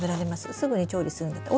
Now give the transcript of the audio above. すぐに調理するんだったら。